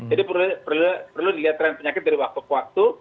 jadi perlu dilihat tren penyakit dari waktu ke waktu